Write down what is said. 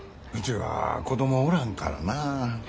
うちは子供おらんからなあ。